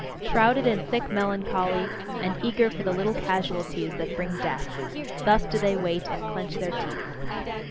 Shrouded in thick melancholy, and eager for the little casualties that bring death: thus do they wait, and clench their teeth.